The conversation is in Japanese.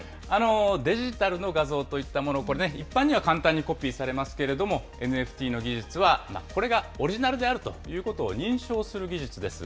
デジタルの画像といったもの、一般には簡単にコピーされますけれども、ＮＦＴの技術はこれがオリジナルであるということを認証する技術です。